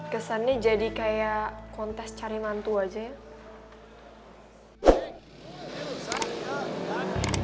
kesannya jadi kayak kontes cari mantu aja ya